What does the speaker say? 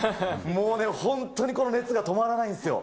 もうね、本当にこの熱が止まらないんですよ。